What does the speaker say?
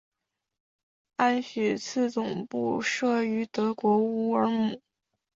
安许茨总部设于德国乌尔姆。